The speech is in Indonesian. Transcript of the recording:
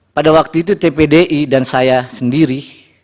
pada waktu itu tpdi dan saya sendiri